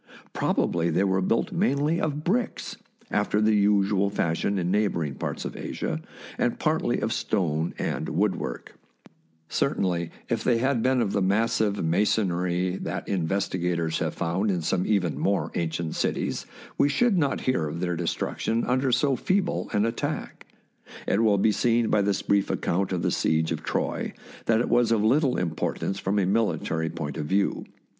Probably they were built mainly of bricks, after the usual fashion in neighbouring parts of Asia, and partly of stone and woodwork. THE SIEGE OF TROY Certainly if they had been of the massive masonry that investigators have found in some even more ancient cities, we should not hear of their destruc tion under so feeble an attack. It will be seen by this brief account of the siege of Troy that it was of little importance from a military point of view.